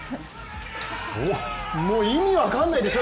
もう意味分からないでしょ？